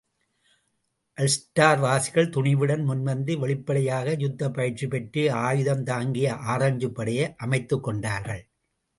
அல்ஸ்டார்வாசிகள் துணிவுடன் முன்வந்து வெளிப்படையாக யுத்தப் பயிற்சி பெற்று, ஆயுதம் தாங்கி, ஆரஞ்சுப்படையை அமைத்துக் கொண்டார்கள்.